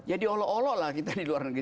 ya diolo olo lah kita di luar negeri